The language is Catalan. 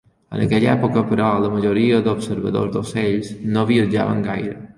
En aquella època, però, la majoria d'observadors d'ocells no viatjaven gaire.